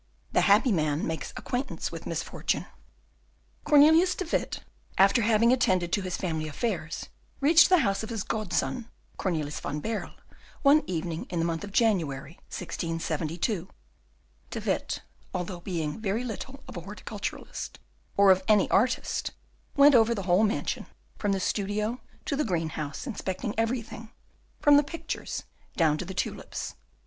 The Happy Man makes Acquaintance with Misfortune Cornelius de Witt, after having attended to his family affairs, reached the house of his godson, Cornelius van Baerle, one evening in the month of January, 1672. De Witt, although being very little of a horticulturist or of an artist, went over the whole mansion, from the studio to the green house, inspecting everything, from the pictures down to the tulips.